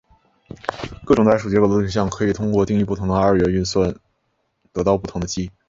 各种代数结构中的对象可以通过定义不同的二元运算得到不同的积。